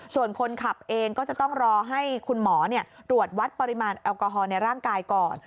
ส่วนคนขับเองก็จะต้องรอให้คุณหมอตรวจวัดปริมาณแอลกอฮอลในร่างกายก่อน